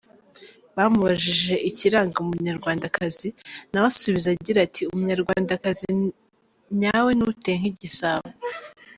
Bamubajije ikiranga umunyarwandakazi nawe asubiza agira ati “Umunyarwandakazi nyawe ni uteye nk’Igisabo.